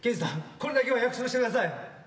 これだけは約束してください。